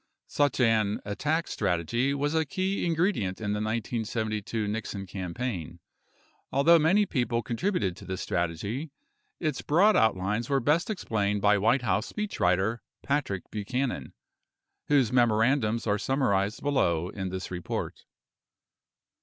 Such an "attack strategy" was a key ingredient in the 1972 Nixon campaign. Although many people contributed to this strategy, its broad outlines were best explained by White House speechwriter Patrick Buchanan, whose memorandums are summarized below in this report.